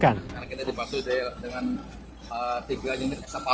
karena kita dipasuki dengan tiga jenis sampah